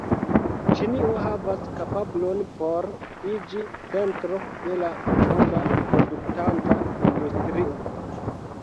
Ĉinio havas kapablon por iĝi centro de la monda produktanta industrio.